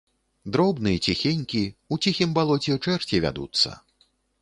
Дробны, ціхенькі, у ціхім балоце чэрці вядуцца.